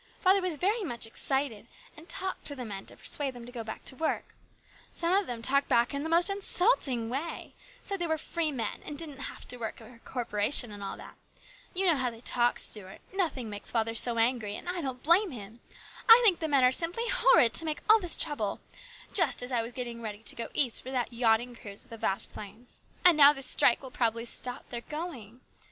Father was very much excited, and talked to the men to persuade them to go back to work. Some of them talked back in the most insulting way ; said they were free men, and did not have to work for a corporation, and all that. You know how they talk, Stuart ; nothing makes father so angry, and I don't blame him. I think the men are simply horrid to make all this trouble just as I was getting ready to go East for that yachting cruise with the Vasplaines ; and now this strike will probably stop their going.